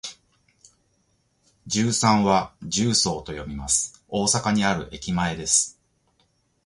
十三は「じゅうそう」と読みます。大阪にある駅前です。